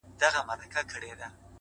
اوس دي لا د حسن مرحله راغلې نه ده!